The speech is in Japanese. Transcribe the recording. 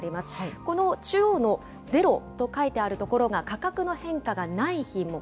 この中央の０と書いてある所が価格の変化がない品目。